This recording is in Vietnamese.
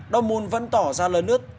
dortmund vẫn tỏ ra lớn ướt